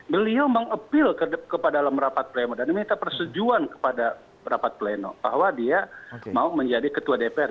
beliau meng appeal kepada dalam rapat pleno dan meminta persetujuan kepada rapat pleno bahwa dia mau menjadi ketua dpr